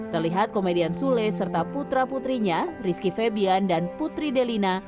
terlihat komedian sule serta putra putrinya rizky febian dan putri delina